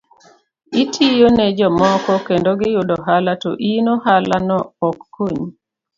Itiyo ne jomoko kendo giyudo ohala to in ohala no ok konyi.